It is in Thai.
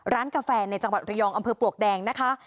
กาแฟในจังหวัดระยองอำเภอปลวกแดงนะคะ